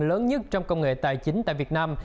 lớn nhất trong công nghệ tài chính tại việt nam